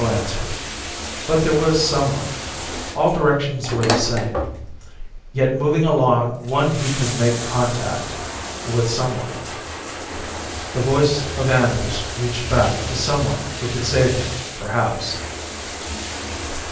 No answer. But there was someone. All directions were the same, yet moving along one he could make contact ... with someone. The voice of Anders reached back to someone who could save him, perhaps.